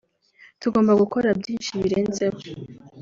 tugomba gukora byinshi birenzeho